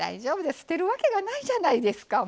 捨てるわけがないじゃないですか。